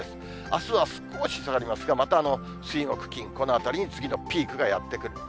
あすは少し下がりますが、また水、木、金、このあたりに次のピークがやって来る。